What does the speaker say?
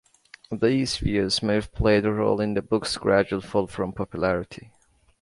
These views may have played a role in the book's gradual fall from popularity.